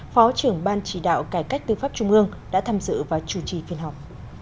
phó trưởng ban chỉ đạo cải cách tư pháp trung ương đã tham dự và chủ trì phiên họp